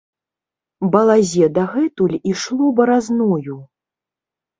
Балазе дагэтуль ішло баразною.